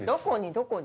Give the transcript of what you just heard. どこに？